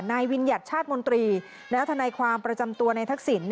วิญญัติชาติมนตรีและทนายความประจำตัวในทักษิณ